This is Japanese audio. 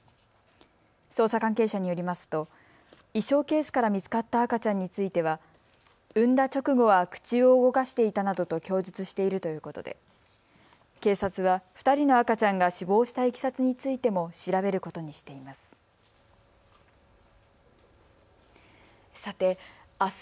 捜査関係者によりますと衣装ケースから見つかった赤ちゃんについては産んだ直後は口を動かしていたなどと供述しているということで警察は２人の赤ちゃんが死亡したいきさつについても調べることにしています。